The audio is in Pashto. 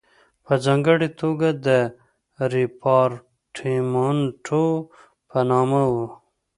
په ځانګړې توګه د ریپارټیمنټو په نامه وو.